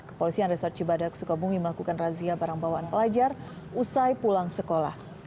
kepolisian resort cibadak sukabumi melakukan razia barang bawaan pelajar usai pulang sekolah